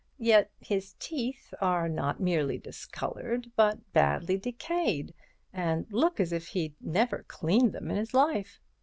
Yet his teeth are not merely discoloured, but badly decayed and look as if he'd never cleaned them in his life.